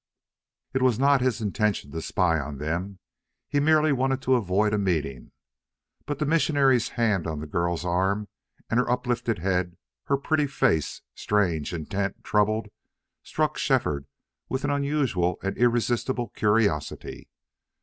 It was not his intention to spy on them. He merely wanted to avoid a meeting. But the missionary's hand on the girl's arm, and her up lifted head, her pretty face, strange, intent, troubled, struck Shefford with an unusual and irresistible curiosity.